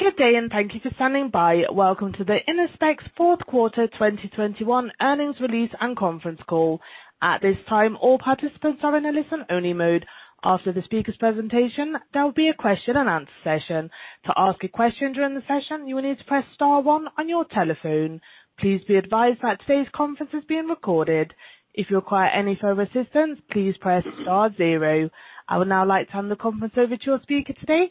Good day, and thank you for standing by. Welcome to the Innospec's Fourth Quarter 2021 Earnings Release and Conference Call. At this time, all participants are in a listen-only mode. After the speaker's presentation, there will be a question-and-answer session. To ask a question during the session, you will need to press star one on your telephone. Please be advised that today's conference is being recorded. If you require any further assistance, please press star zero. I would now like to hand the conference over to your speaker today,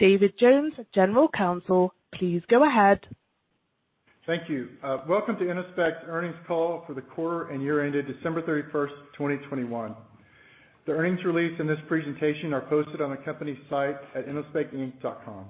David Jones, General Counsel. Please go ahead. Thank you. Welcome to Innospec's earnings call for the quarter and year ended December 31st, 2021. The earnings release in this presentation are posted on the company's site at innospecinc.com.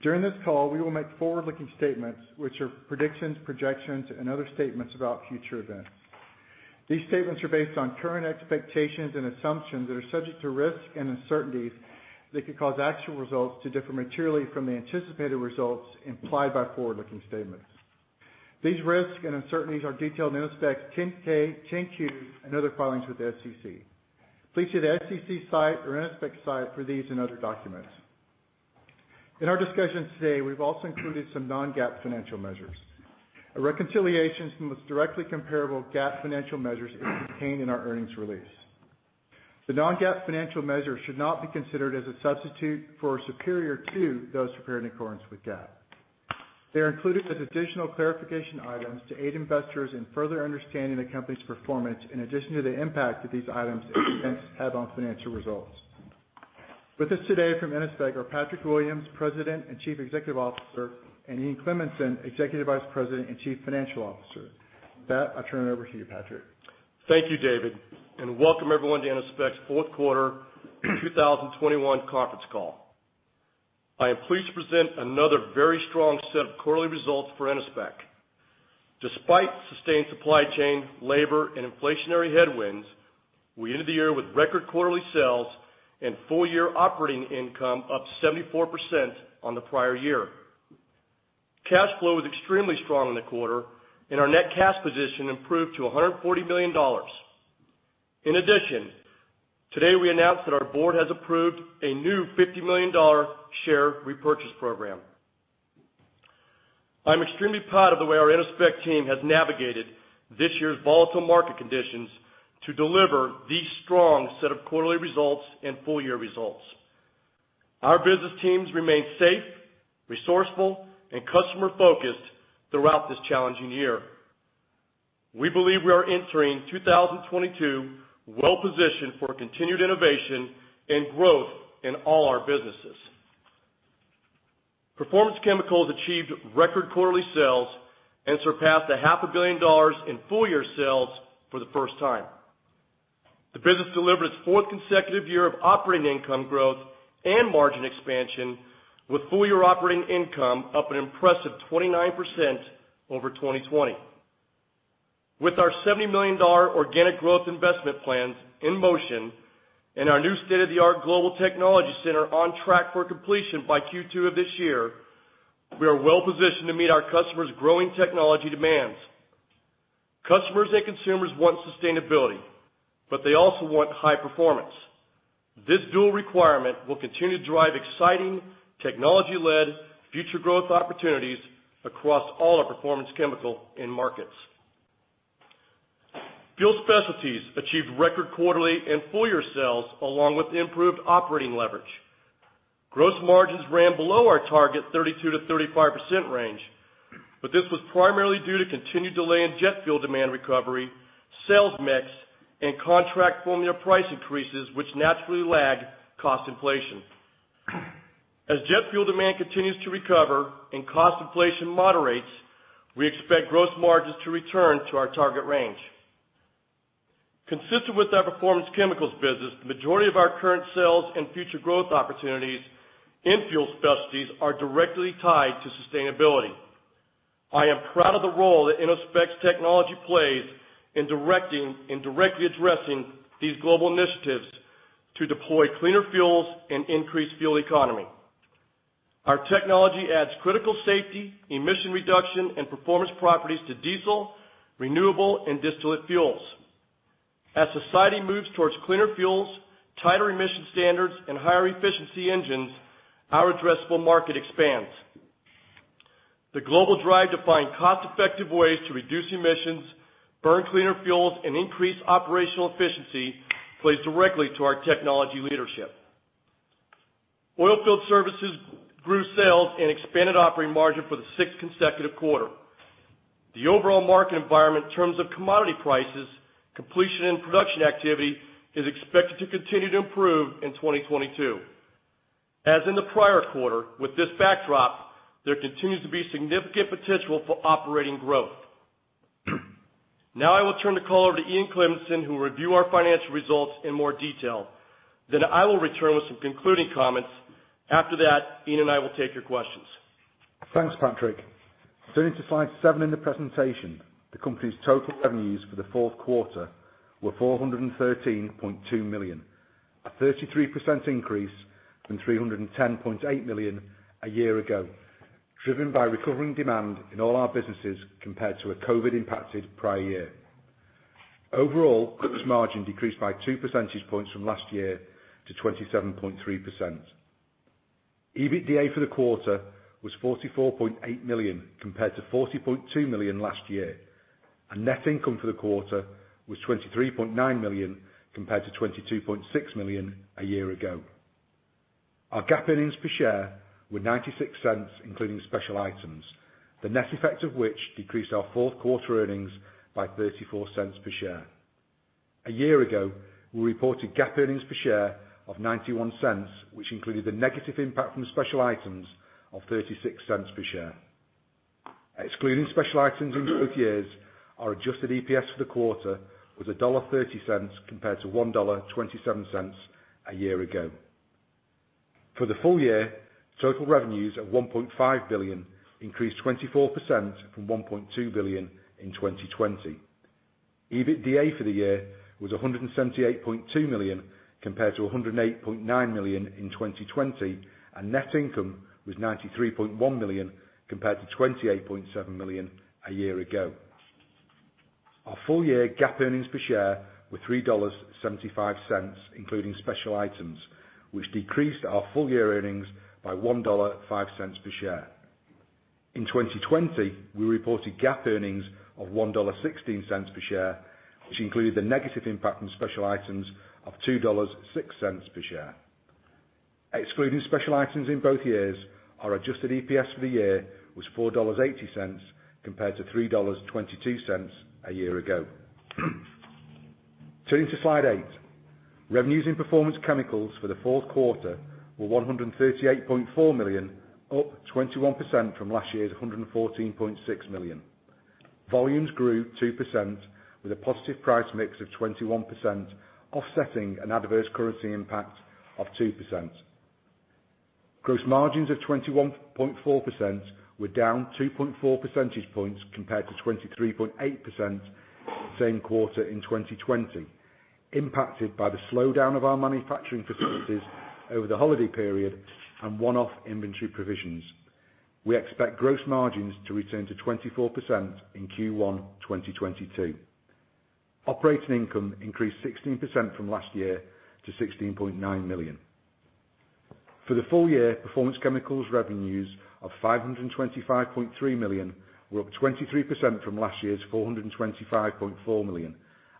During this call, we will make forward-looking statements, which are predictions, projections, and other statements about future events. These statements are based on current expectations and assumptions that are subject to risks and uncertainties that could cause actual results to differ materially from the anticipated results implied by forward-looking statements. These risks and uncertainties are detailed in Innospec's 10-K, 10-Q, and other filings with the SEC. Please see the SEC site or Innospec's site for these and other documents. In our discussion today, we've also included some non-GAAP financial measures. A reconciliation from its directly comparable GAAP financial measures is contained in our earnings release. The non-GAAP financial measures should not be considered as a substitute for or superior to those prepared in accordance with GAAP. They're included as additional clarification items to aid investors in further understanding the company's performance in addition to the impact that these items and events have on financial results. With us today from Innospec are Patrick Williams, President and Chief Executive Officer, and Ian Cleminson, Executive Vice President and Chief Financial Officer. With that, I'll turn it over to you, Patrick. Thank you, David, and welcome everyone to Innospec's fourth quarter 2021 conference call. I am pleased to present another very strong set of quarterly results for Innospec. Despite sustained supply chain, labor, and inflationary headwinds, we ended the year with record quarterly sales and full-year operating income up 74% on the prior year. Cash flow was extremely strong in the quarter, and our net cash position improved to $140 million. In addition, today, we announced that our board has approved a new $50 million share repurchase program. I'm extremely proud of the way our Innospec team has navigated this year's volatile market conditions to deliver these strong set of quarterly results and full-year results. Our business teams remained safe, resourceful, and customer-focused throughout this challenging year. We believe we are entering 2022 well-positioned for continued innovation and growth in all our businesses. Performance Chemicals achieved record quarterly sales and surpassed $0.5 billion in full-year sales for the first time. The business delivered its fourth consecutive year of operating income growth and margin expansion, with full-year operating income up an impressive 29% over 2020. With our $70 million organic growth investment plans in motion and our new state-of-the-art global technology center on track for completion by Q2 of this year, we are well-positioned to meet our customers' growing technology demands. Customers and consumers want sustainability, but they also want high performance. This dual requirement will continue to drive exciting technology-led future growth opportunities across all our Performance Chemicals end markets. Fuel Specialties achieved record quarterly and full-year sales, along with improved operating leverage. Gross margins ran below our target 32%-35% range, but this was primarily due to continued delay in jet fuel demand recovery, sales mix, and contract formula price increases, which naturally lag cost inflation. As jet fuel demand continues to recover and cost inflation moderates, we expect gross margins to return to our target range. Consistent with our Performance Chemicals business, the majority of our current sales and future growth opportunities in Fuel Specialties are directly tied to sustainability. I am proud of the role that Innospec's technology plays in directly addressing these global initiatives to deploy cleaner fuels and increase fuel economy. Our technology adds critical safety, emission reduction, and performance properties to diesel, renewable, and distillate fuels. As society moves towards cleaner fuels, tighter emission standards, and higher efficiency engines, our addressable market expands. The global drive to find cost-effective ways to reduce emissions, burn cleaner fuels, and increase operational efficiency plays directly to our technology leadership. Oilfield Services grew sales and expanded operating margin for the 6th consecutive quarter. The overall market environment in terms of commodity prices, completion and production activity is expected to continue to improve in 2022. As in the prior quarter, with this backdrop, there continues to be significant potential for operating growth. Now I will turn the call over to Ian Cleminson, who will review our financial results in more detail. Then I will return with some concluding comments. After that, Ian and I will take your questions. Thanks, Patrick. Turning to slide 7 in the presentation, the company's total revenues for the fourth quarter were $413.2 million, a 33% increase from $310.8 million a year ago, driven by recovering demand in all our businesses compared to a COVID-impacted prior year. Overall, gross margin decreased by 2 percentage points from last year to 27.3%. EBITDA for the quarter was $44.8 million, compared to $40.2 million last year, and net income for the quarter was $23.9 million, compared to $22.6 million a year ago. Our GAAP earnings per share were $0.96, including special items, the net effect of which decreased our fourth quarter earnings by $0.34 per share. A year ago, we reported GAAP earnings per share of $0.91, which included the negative impact from special items of $0.36 per share. Excluding special items in both years, our adjusted EPS for the quarter was $1.30 compared to $1.27 a year ago. For the full year, total revenues of $1.5 billion increased 24% from $1.2 billion in 2020. EBITDA for the year was $178.2 million, compared to $108.9 million in 2020, and net income was $93.1 million, compared to $28.7 million a year ago. Our full year GAAP earnings per share were $3.75, including special items, which decreased our full year earnings by $1.05 per share. In 2020, we reported GAAP earnings of $1.16 per share, which included the negative impact from special items of $2.06 per share. Excluding special items in both years, our adjusted EPS for the year was $4.80 compared to $3.22 a year ago. Turning to slide eight. Revenues in Performance Chemicals for the fourth quarter were $138.4 million, up 21% from last year's $114.6 million. Volumes grew 2% with a positive price mix of 21%, offsetting an adverse currency impact of 2%. Gross margins of 21.4% were down 2.4 percentage points compared to 23.8% same quarter in 2020, impacted by the slowdown of our manufacturing facilities over the holiday period and one-off inventory provisions. We expect gross margins to return to 24% in Q1 2022. Operating income increased 16% from last year to $16.9 million. For the full year, Performance Chemicals revenues of $525.3 million were up 23% from last year's $425.4 million,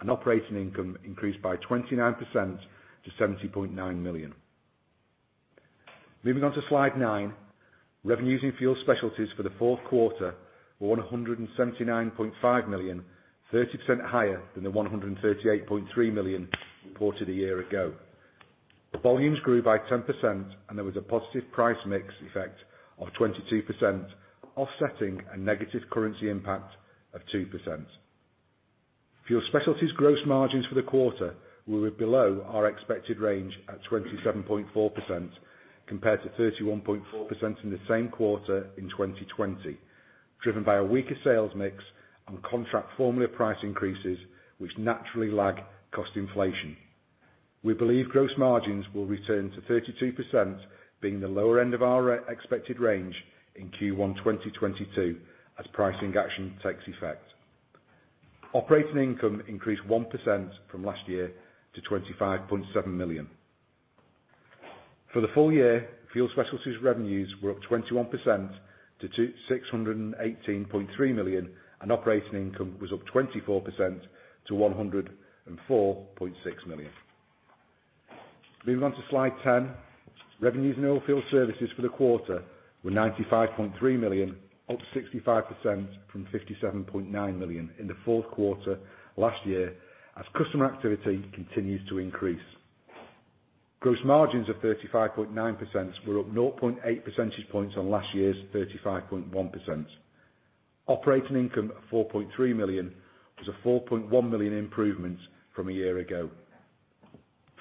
and operating income increased by 29% to $70.9 million. Moving on to slide nine. Revenues in Fuel Specialties for the fourth quarter were $179.5 million, 30% higher than the $138.3 million reported a year ago. The volumes grew by 10%, and there was a positive price mix effect of 22%, offsetting a negative currency impact of 2%. Fuel Specialties gross margins for the quarter were below our expected range at 27.4% compared to 31.4% in the same quarter in 2020, driven by a weaker sales mix and contract formula price increases which naturally lag cost inflation. We believe gross margins will return to 32%, being the lower end of our expected range in Q1 2022 as pricing action takes effect. Operating income increased 1% from last year to $25.7 million. For the full year, Fuel Specialties revenues were up 21% to $261.8 million, and operating income was up 24% to $104.6 million. Moving on to slide 10. Revenues in Oilfield Services for the quarter were $95.3 million, up 65% from $57.9 million in the fourth quarter last year as customer activity continues to increase. Gross margins of 35.9% were up 0.8 percentage points on last year's 35.1%. Operating income of $4.3 million was a $4.1 million improvement from a year ago.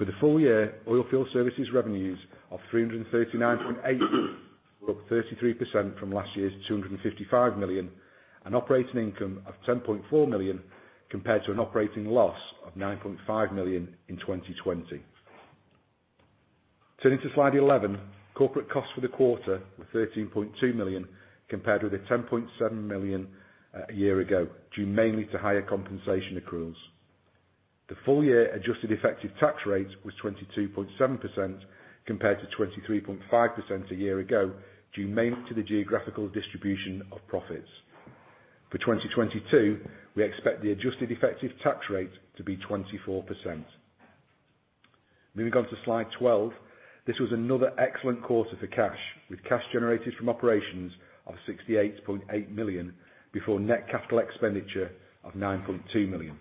For the full year, Oilfield Services revenues of $339.8 million were up 33% from last year's $255 million, and operating income of $10.4 million compared to an operating loss of $9.5 million in 2020. Turning to slide 11. Corporate costs for the quarter were $13.2 million compared with $10.7 million a year ago, due mainly to higher compensation accruals. The full year adjusted effective tax rate was 22.7% compared to 23.5% a year ago, due mainly to the geographical distribution of profits. For 2022, we expect the adjusted effective tax rate to be 24%. Moving on to slide 12. This was another excellent quarter for cash, with cash generated from operations of $68.8 million before net capital expenditure of $9.2 million.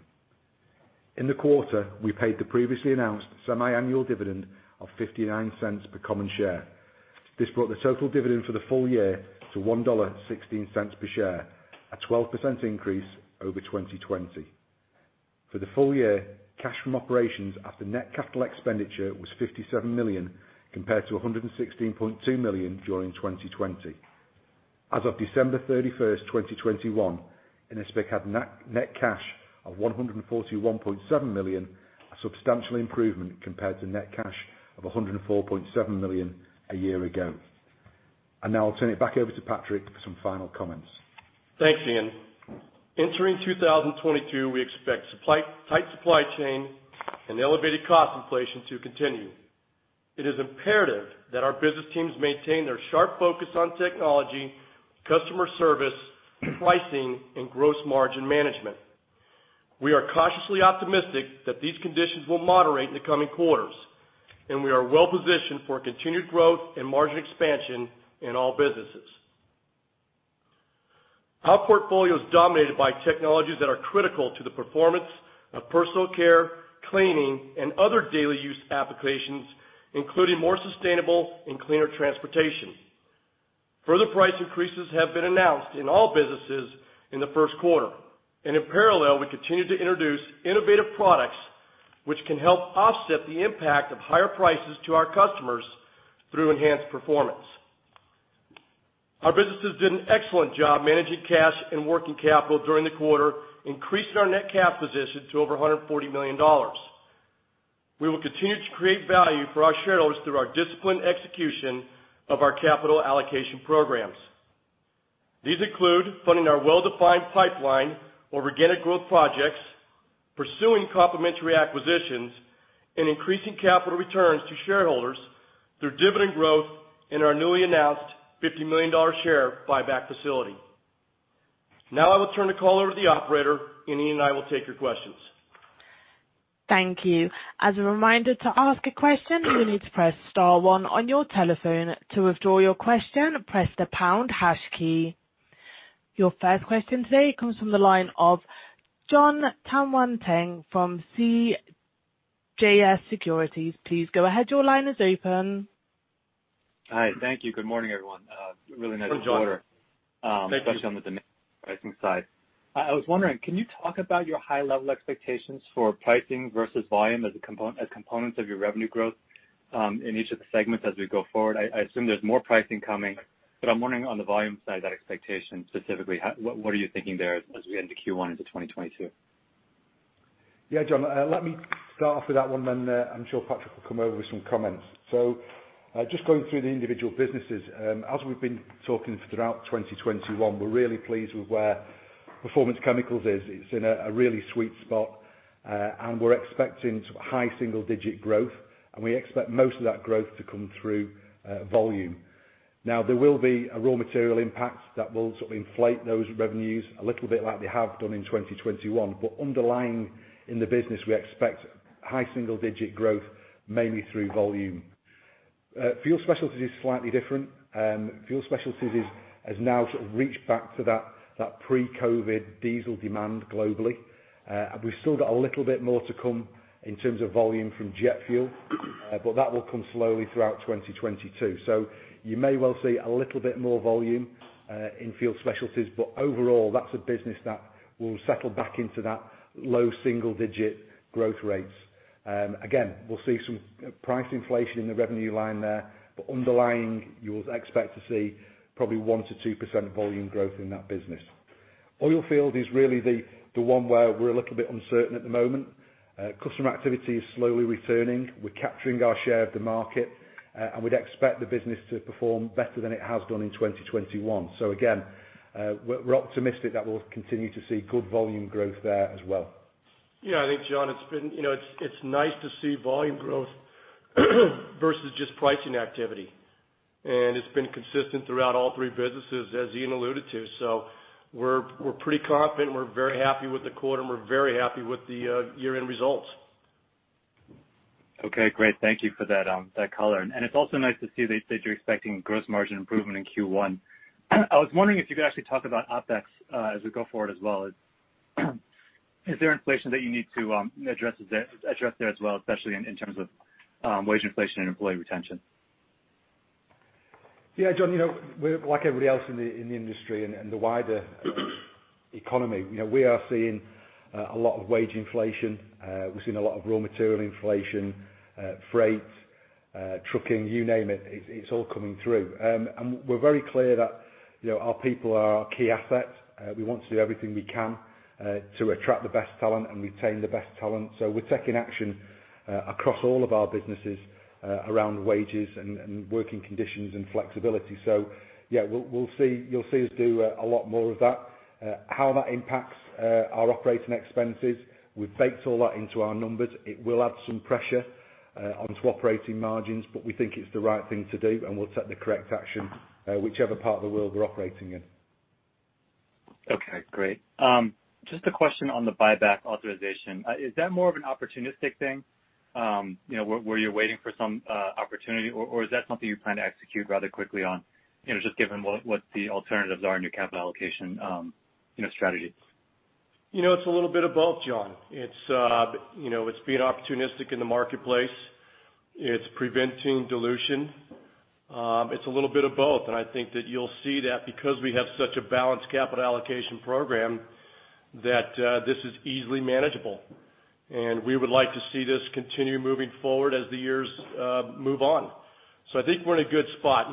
In the quarter, we paid the previously announced semiannual dividend of $0.59 per common share. This brought the total dividend for the full year to $1.16 per share, a 12% increase over 2020. For the full year, cash from operations after net capital expenditure was $57 million compared to $116.2 million during 2020. As of December 31st, 2021, Innospec had net cash of $141.7 million, a substantial improvement compared to net cash of $104.7 million a year ago. Now I'll turn it back over to Patrick for some final comments. Thanks, Ian. Entering 2022, we expect tight supply chain and elevated cost inflation to continue. It is imperative that our business teams maintain their sharp focus on technology, customer service, pricing, and gross margin management. We are cautiously optimistic that these conditions will moderate in the coming quarters, and we are well-positioned for continued growth and margin expansion in all businesses. Our portfolio is dominated by technologies that are critical to the performance of Personal Care, cleaning, and other daily use applications, including more sustainable and cleaner transportation. Further price increases have been announced in all businesses in the first quarter, and in parallel, we continue to introduce innovative products which can help offset the impact of higher prices to our customers through enhanced performance. Our business has done an excellent job managing cash and working capital during the quarter, increasing our net cash position to over $140 million. We will continue to create value for our shareholders through our disciplined execution of our capital allocation programs. These include funding our well-defined pipeline, organic growth projects, pursuing complementary acquisitions, and increasing capital returns to shareholders through dividend growth in our newly announced $50 million share buyback facility. Now I will turn the call over to the operator, and Ian and I will take your questions. Thank you. As a reminder, to ask a question, you need to press star one on your telephone. To withdraw your question, press the pound hash key. Your first question today comes from the line of Jon Tanwanteng from CJS Securities. Please go ahead. Your line is open. Hi. Thank you. Good morning, everyone. Really nice quarter. Good Jon. Thank you. Especially on the pricing side. I was wondering, can you talk about your high level expectations for pricing versus volume as components of your revenue growth in each of the segments as we go forward? I assume there's more pricing coming, but I'm wondering on the volume side of that expectation, specifically, what are you thinking there as we end Q1 into 2022? Yeah, Jon, let me start off with that one then, I'm sure Patrick will come over with some comments. Just going through the individual businesses, as we've been talking throughout 2021, we're really pleased with where Performance Chemicals is. It's in a really sweet spot, and we're expecting high single digit growth, and we expect most of that growth to come through volume. Now, there will be a raw material impact that will sort of inflate those revenues a little bit like they have done in 2021. Underlying in the business, we expect high single digit growth, mainly through volume. Fuel Specialties is slightly different. Fuel Specialties has now sort of reached back to that pre-COVID diesel demand globally. We've still got a little bit more to come in terms of volume from jet fuel, but that will come slowly throughout 2022. You may well see a little bit more volume in Fuel Specialties, but overall, that's a business that will settle back into that low single-digit growth rates. Again, we'll see some price inflation in the revenue line there, but underlying, you'll expect to see probably 1%-2% volume growth in that business. Oilfield is really the one where we're a little bit uncertain at the moment. Customer activity is slowly returning. We're capturing our share of the market, and we'd expect the business to perform better than it has done in 2021. Again, we're optimistic that we'll continue to see good volume growth there as well. Yeah, I think, Jon, it's been, you know, it's nice to see volume growth versus just pricing activity. It's been consistent throughout all three businesses, as Ian alluded to. We're pretty confident. We're very happy with the quarter, and we're very happy with the year-end results. Okay, great. Thank you for that color. It's also nice to see that you're expecting gross margin improvement in Q1. I was wondering if you could actually talk about OpEx as we go forward as well. Is there inflation that you need to address there as well, especially in terms of wage inflation and employee retention? Yeah, Jon, you know, we're like everybody else in the industry and the wider economy. You know, we are seeing a lot of wage inflation. We're seeing a lot of raw material inflation, freight, trucking, you name it. It's all coming through. We're very clear that, you know, our people are our key asset. We want to do everything we can to attract the best talent and retain the best talent. We're taking action across all of our businesses around wages and working conditions and flexibility. Yeah, we'll see, you'll see us do a lot more of that. How that impacts our operating expenses, we've baked all that into our numbers. It will add some pressure onto operating margins, but we think it's the right thing to do, and we'll take the correct action, whichever part of the world we're operating in. Okay, great. Just a question on the buyback authorization. Is that more of an opportunistic thing, you know, where you're waiting for some opportunity, or is that something you plan to execute rather quickly on, you know, just given what the alternatives are in your capital allocation, you know, strategies? You know, it's a little bit of both, Jon. It's, you know, it's being opportunistic in the marketplace. It's preventing dilution. It's a little bit of both, and I think that you'll see that because we have such a balanced capital allocation program, that this is easily manageable. We would like to see this continue moving forward as the years move on. I think we're in a good spot.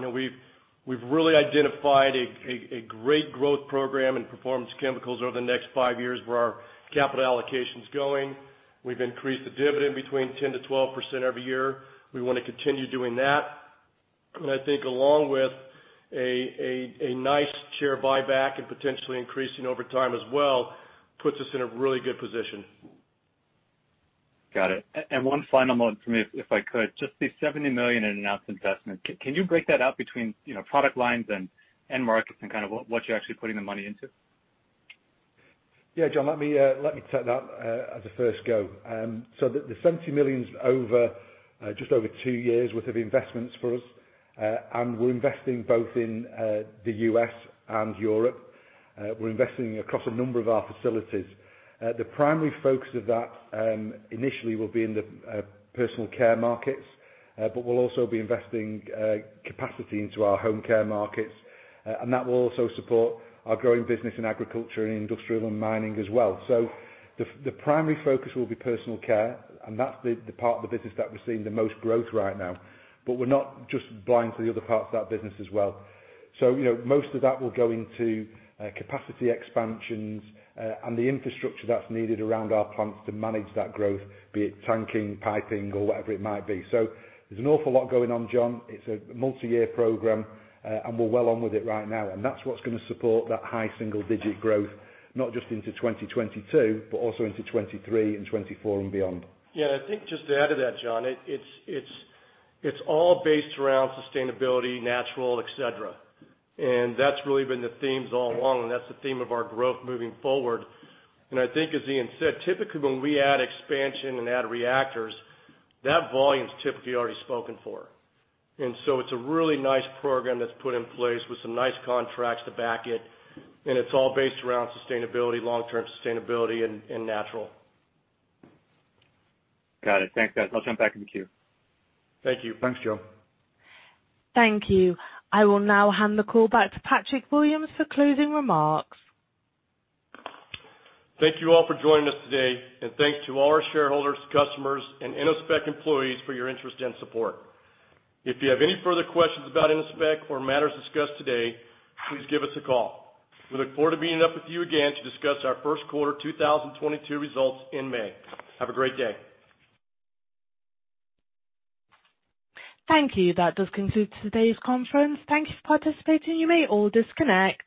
You know, we've really identified a great growth program in Performance Chemicals over the next five years where our capital allocation is going. We've increased the dividend between 10%-12% every year. We wanna continue doing that. I think along with a nice share buyback and potentially increasing over time as well, puts us in a really good position. Got it. One final one for me, if I could. Just the $70 million in announced investment, can you break that out between, you know, product lines and markets and kind of what you're actually putting the money into? Yeah, John, let me take that as a first go. The $70 million's over just over two years' worth of investments for us. We're investing both in the U.S. and Europe. We're investing across a number of our facilities. The primary focus of that initially will be in the Personal Care markets, but we'll also be investing capacity into our Home Care markets. That will also support our growing business in Agriculture, Industrial, and Mining as well. The primary focus will be Personal Care, and that's the part of the business that we're seeing the most growth right now. We're not just blind to the other parts of that business as well. You know, most of that will go into capacity expansions and the infrastructure that's needed around our plants to manage that growth, be it tanking, piping or whatever it might be. There's an awful lot going on, Jon. It's a multi-year program, and we're well on with it right now, and that's what's gonna support that high single digit growth, not just into 2022, but also into 2023 and 2024 and beyond. Yeah. I think just to add to that, Jon, it's all based around sustainability, natural, et cetera. That's really been the themes all along, and that's the theme of our growth moving forward. I think as Ian said, typically when we add expansion and add reactors, that volume's typically already spoken for. It's a really nice program that's put in place with some nice contracts to back it, and it's all based around sustainability, long-term sustainability and natural. Got it. Thanks, guys. I'll jump back in the queue. Thank you. Thanks, John. Thank you. I will now hand the call back to Patrick Williams for closing remarks. Thank you all for joining us today, and thanks to all our shareholders, customers and Innospec employees for your interest and support. If you have any further questions about Innospec or matters discussed today, please give us a call. We look forward to meeting up with you again to discuss our first quarter 2022 results in May. Have a great day. Thank you. That does conclude today's conference. Thank you for participating. You may all disconnect.